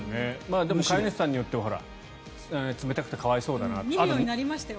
でも飼い主さんによっては冷たくて可哀想だなって。